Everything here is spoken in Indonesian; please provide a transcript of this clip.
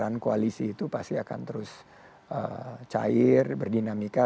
peran koalisi itu pasti akan terus cair berdinamika